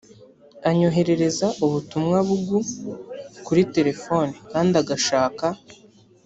anyoherereza ubutumwa bugu kuri telefoni kandi agashaka